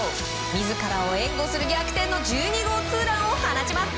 自らを援護する逆転の１２号ツーランを放ちます。